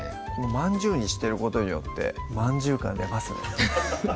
まんじゅうにしてることによってまんじゅう感出ますね